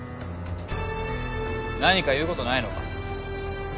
何か言うことないのか？